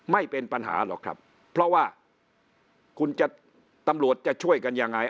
ไม่เป็นปัญหาหรอกครับเพราะว่าคุณจะตำรวจจะช่วยกันยังไง